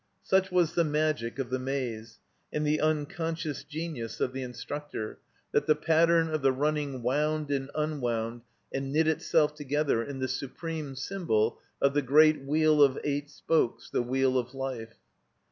Such was the magic of the Maze, and the tmconsdous genius of the instructor, that the pattern of the running wound and tmwound and knit itself together in the supreme sjmabol of the great Wheel of Eight Spokes, the Wheel of Life.